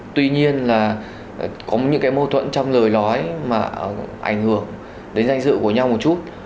tuy nhiên là có những cái mâu thuẫn trong lời nói mà ảnh hưởng đến danh dự của nhau một chút